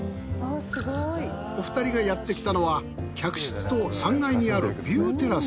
お二人がやってきたのは客室と３階にあるビューテラス。